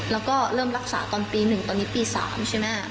แล้วก็เริ่มรักษาตอนปี๑ตอนนี้ปี๓ใช่ไหม